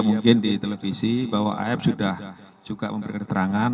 mungkin di televisi bahwa af sudah juga memberikan keterangan